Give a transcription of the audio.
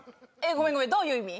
ごめんごめんどういう意味？